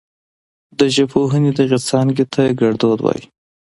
د ژبپوهنې دغې څانګې ته ګړدود وايي.